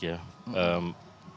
dan juga dengan